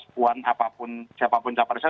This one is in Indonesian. puan apapun siapapun capresnya